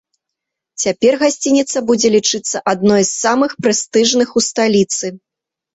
Цяпер гасцініца будзе лічыцца адной з самых прэстыжных у сталіцы.